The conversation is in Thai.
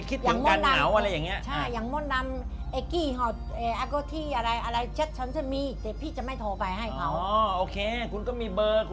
คิดถึงกันเหงาอะไรอย่างงี้